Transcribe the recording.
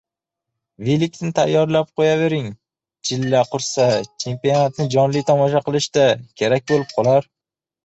Velikni tayyorlab qoʻyavering, jilla qursa chempionatni jonli tomosha qilishda kerak boʻlib qolar.